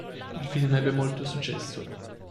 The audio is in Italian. Il film ebbe molto successo.